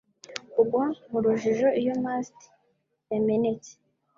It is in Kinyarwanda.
kugwa mu rujijo iyo mast yamenetse